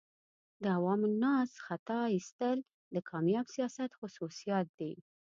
د عوام الناس خطا ایستل د کامیاب سیاست خصوصیات دي.